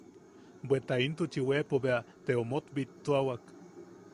Bweta intuchi weʼepo bea te omot bittuawak.